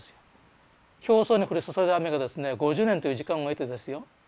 表層に降り注いだ雨がですね５０年という時間を経てですよ